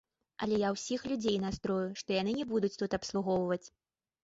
Але я ўсіх людзей настрою, што яны не будуць тут абслугоўваць.